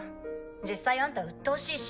実際あんたうっとうしいし。